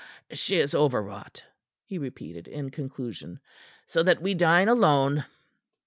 "She is overwrought," he repeated in conclusion. "So that we dine alone."